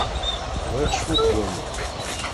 Bɣiɣ cwiṭ n waman.